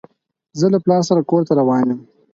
زه له پلار سره کور ته روان يم.